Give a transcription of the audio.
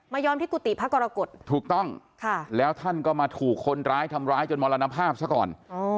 ยอมที่กุฏิพระกรกฎถูกต้องแล้วท่านก็มาถูกคนร้ายทำร้ายจนมรณภาพซะก่อน